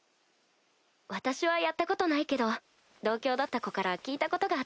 私はやったことないけど同郷だった子から聞いたことがあってね。